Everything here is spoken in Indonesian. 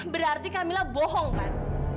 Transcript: berarti kamila bohong tante